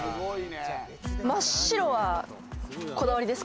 真っ白はこだわりですか？